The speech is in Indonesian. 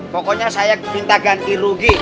pokoknya saya minta ganti rugi